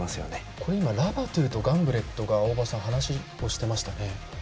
これ、今ラバトゥとガンブレットが話をしていましたね。